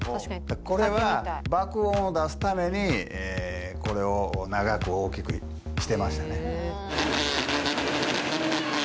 これは爆音を出すためにこれを長く大きくしてましたね